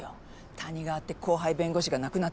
谷川って後輩弁護士が亡くなってさ。